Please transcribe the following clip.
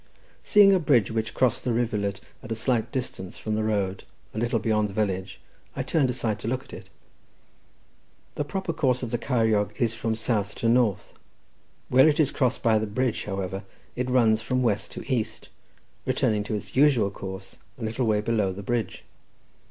Seeing a bridge which crossed the rivulet at a slight distance from the road, a little beyond the village, I turned aside to look at it. The proper course of the Ceiriog is from south to north; where it is crossed by the bridge, however, it runs from west to east, returning to its usual course, a little way below the bridge.